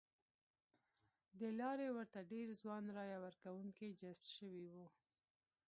ه دې لارې ورته ډېر ځوان رایه ورکوونکي جذب شوي وو.